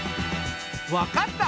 分かった。